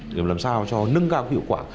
để làm sao cho nâng cao hiệu quả